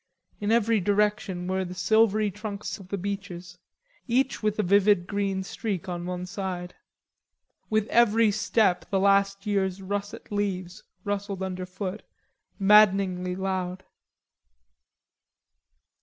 In every direction were the silvery trunk of the beeches, each with a vivid green streak on one side. With every step the last year's russet leaves rustled underfoot, maddeningly loud.